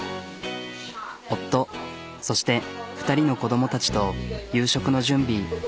夫そして２人の子供たちと夕食の準備。